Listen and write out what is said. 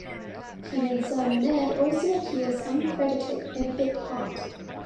Keenan's son Ned also appears uncredited in a bit part.